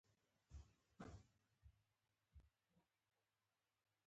احمدشاه بابا د ډیرو جنګي فتوحاتو مشر و.